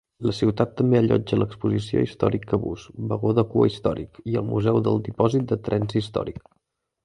La ciutat també allotja l'exposició "Historic Caboose" (vagó de cua històric) i el museu del Dipòsit de Trens Històric.